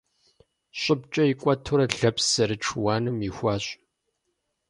Щӏыбкӏэ икӏуэтурэ лэпс зэрыт шыуаным ихуащ.